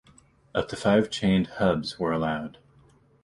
Up to five chained hubs were allowed.